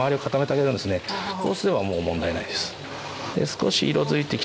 こうすればもう問題ないです。